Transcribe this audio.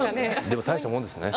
でも、大したもんですね。